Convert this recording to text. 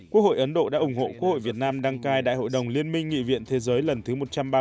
quốc hội ấn độ đã ủng hộ quốc hội việt nam đăng cai đại hội đồng liên minh nghị viện thế giới lần thứ một trăm ba mươi